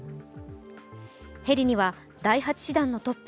ヘリには第８師団のトップ